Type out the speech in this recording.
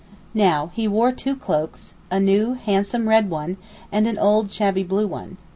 Now he wore two cloaks—a new handsome red one and an old shabby blue one.